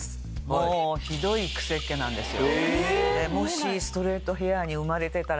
もうひどいクセ毛なんですよ。